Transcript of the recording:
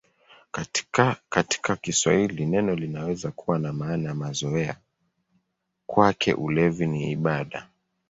Katika Kiswahili neno linaweza kuwa na maana ya mazoea: "Kwake ulevi ni ibada".